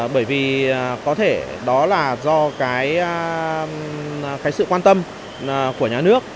bởi vì có thể đó là do cái sự quan tâm của nhà nước